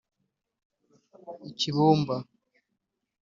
I Kibumba